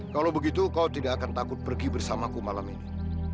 kalau begitu kau tidak akan takut pergi bersamaku malam ini